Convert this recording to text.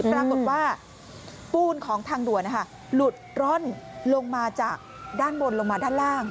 ปรากฏว่าปูนของทางด่วนหลุดร่อนลงมาจากด้านบนลงมาด้านล่าง